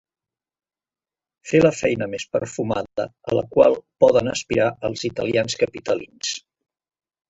Fer la feina més perfumada a la qual poden aspirar els italians capitalins.